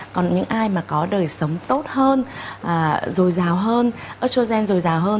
còn những ai mà có đời sống tốt hơn rồi giàu hơn estrogen rồi giàu hơn